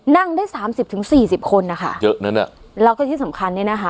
นั่งได้สามสิบถึงสี่สิบคนนะคะเยอะนั้นอ่ะแล้วก็ที่สำคัญเนี้ยนะคะ